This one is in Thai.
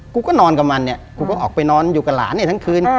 กูก็นอนกับมันเนี่ยกูก็ออกไปนอนอยู่กับหลานเนี่ยทั้งคืน